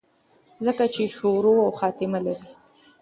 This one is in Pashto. ځکه چې شورو او خاتمه لري